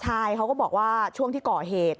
ใช่เขาก็บอกว่าช่วงที่ก่อเหตุ